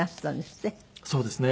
そうですね。